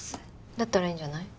だったらいいんじゃない。